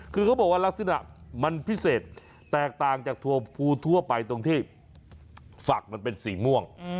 คือเขาบอกว่าลักษณะมันพิเศษแตกต่างจากถั่วภูทั่วไปตรงที่ฝักมันเป็นสีม่วง